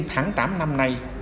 tháng tám năm nay